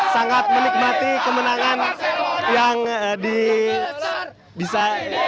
sangat menikmati kemenangan yang bisa